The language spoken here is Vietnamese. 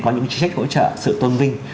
có những trí trách hỗ trợ sự tôn vinh